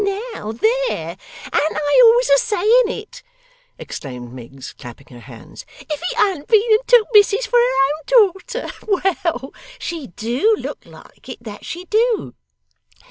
'Oh! Now! There! An't I always a saying it!' exclaimed Miggs, clapping her hands. 'If he an't been and took Missis for her own daughter. Well, she DO look like it, that she do.